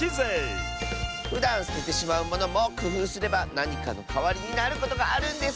ふだんすててしまうものもくふうすればなにかのかわりになることがあるんです！